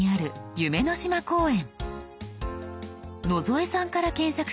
「夢の島公園」。